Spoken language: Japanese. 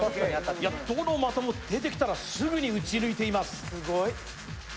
どの的も出てきたら、すぐに打ち抜いています。